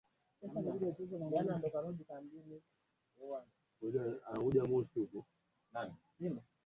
kwa kudai kuwa ripoti hiyo ni ya uongo na yenye madhumuni ya kumhujumu kisiasa